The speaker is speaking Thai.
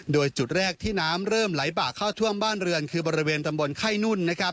โดยจุดแรกที่น้ำเริ่มไหลบากเข้าท่วมบ้านเรือนคือบริเวณตำบลไข้นุ่น